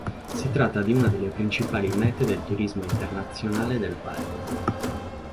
Si tratta di una delle principali mete del turismo internazionale del Paese.